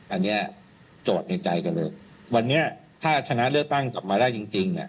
อันนี้โจทย์ในใจกันเลยวันนี้ถ้าชนะเลือกตั้งกลับมาได้จริง